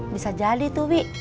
bisa jadi tuh wi